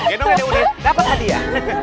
gendong ya udah dapet mah dia